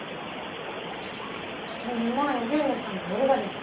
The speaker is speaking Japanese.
こんまいお遍路さんがおるがです。